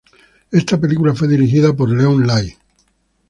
Esta película fue dirigida por Leon Lai.